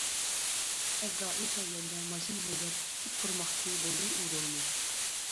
ئەزرائىل كەلگەندە ماشىنا ھەيدەپ، ئىتتىك بۇرىماقچى بولدى ئۇ رولنى.